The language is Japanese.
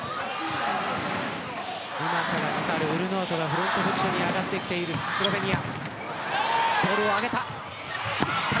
うまさが光るウルナウトがフロントポジションに上がっているスロベニア。